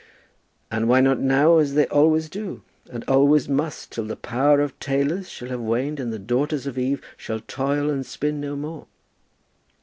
"And why not now as they always do, and always must till the power of tailors shall have waned, and the daughters of Eve shall toil and spin no more?